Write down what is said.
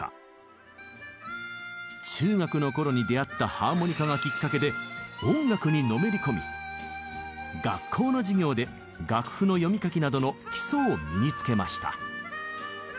中学のころに出会ったハーモニカがきっかけで音楽にのめり込み学校の授業で楽譜の読み書きなどの基礎を身につけました。